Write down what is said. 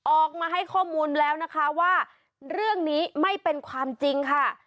ออกมาให้ข้อมูลแล้วนะคะว่าเรื่องนี้ไม่เป็นความจริงค่ะ